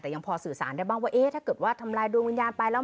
แต่ยังพอสื่อสารได้บ้างว่าเอ๊ะถ้าเกิดว่าทำลายดวงวิญญาณไปแล้ว